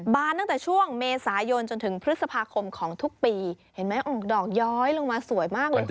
บานตั้งแต่ช่วงเมษายนจนถึงพฤษภาคมของทุกปีเห็นไหมออกดอกย้อยลงมาสวยมากเลยค่ะ